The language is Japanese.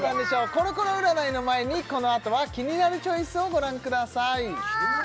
コロコロ占いの前にこのあとはキニナルチョイスをご覧ください